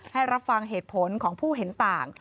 รับฟังเหตุผลของผู้เห็นต่าง